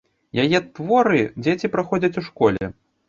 Яе творы дзеці праходзяць у школе.